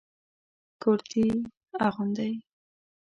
کرتي اغوندئ